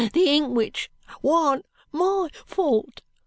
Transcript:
The inkwhich warn't MY fault.